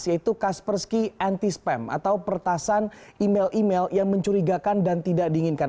yaitu kaspersky anti spam atau pertasan email email yang mencurigakan dan tidak diinginkan